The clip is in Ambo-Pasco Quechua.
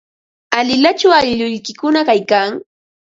¿Alilachu aylluykikuna kaykan?